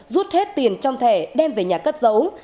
rút hết tiền trong thẻ đem về nhà cất giấu